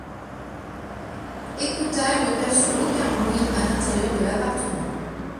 Franz écouta et ne perçut aucun bruit à l’intérieur de l’appartement.